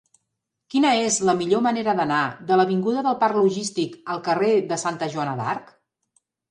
Quina és la millor manera d'anar de l'avinguda del Parc Logístic al carrer de Santa Joana d'Arc?